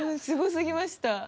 すごすぎました。